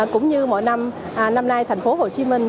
cũng như mỗi năm năm nay thành phố hồ chí minh